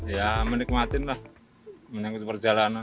ya menikmatin lah menyangkut perjalanan